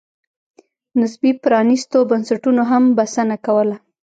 نسبي پرانېستو بنسټونو هم بسنه کوله.